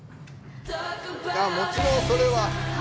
もちろん、それは。